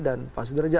dan pak sudirja